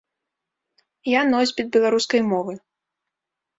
Я носьбіт беларускай мовы.